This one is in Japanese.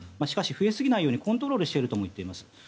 しかし増え過ぎないようにコントロールしていると言っています。